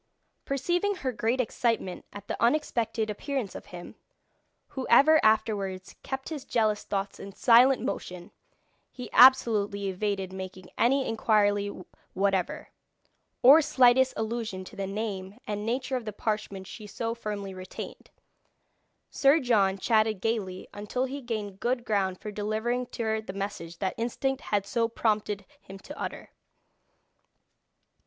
Perceiving her great excitement at the unexpected appearance of him, who ever afterwards kept his jealous thoughts in silent motion, he absolutely evaded making any inquiry whatever, or slightest allusion to the name and nature of the parchment she so firmly retained. Sir John chatted gaily until he gained good ground for delivering to her the message that instinct had so prompted him to utter.